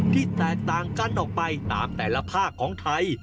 ที่แตกต่างกันออกไปตามแต่ละภาคของไทย